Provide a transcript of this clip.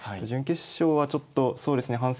準決勝はちょっとそうですね